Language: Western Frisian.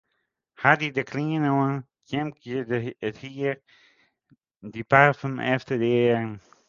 Hja die de klean oan, kjimde it hier, die parfum efter de earen.